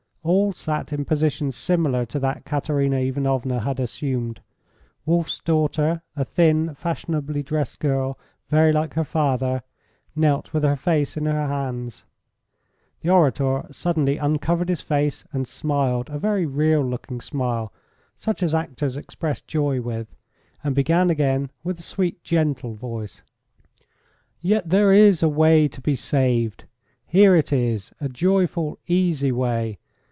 All sat in positions similar to that Katerina Ivanovna had assumed. Wolf's daughter, a thin, fashionably dressed girl, very like her father, knelt with her face in her hands. The orator suddenly uncovered his face, and smiled a very real looking smile, such as actors express joy with, and began again with a sweet, gentle voice: "Yet there is a way to be saved. Here it is a joyful, easy way.